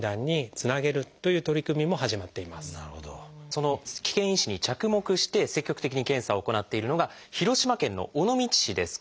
その危険因子に着目して積極的に検査を行っているのが広島県の尾道市です。